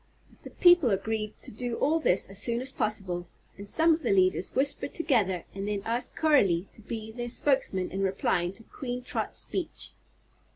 The people agreed to do all this as soon as possible, and some of the leaders whispered together and then asked Coralie to be their spokesman in replying to Queen Trot's speech.